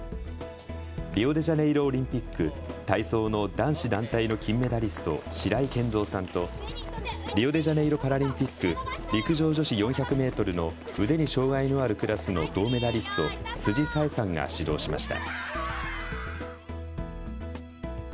リオデジャネイロオリンピック体操の男子団体の金メダリスト、白井健三さんと、リオデジャネイロパラリンピック陸上女子４００メートルの腕に障害のあるクラスの銅メダリスト、辻沙絵さんが指導しました。